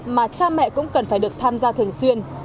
mà cha mẹ cũng cần phải được tham gia thường xuyên